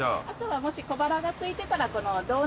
もし小腹がすいてたら。